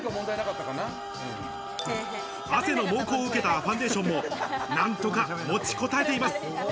汗の猛攻を受けたファンデーションも何とか持ちこたえています。